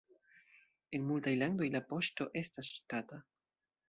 En multaj landoj la poŝto estas ŝtata.